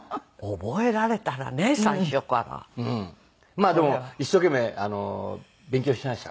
まあでも一生懸命勉強しました。